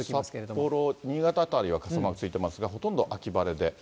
札幌、新潟辺りは傘マークついてますが、ほとんど秋晴れで。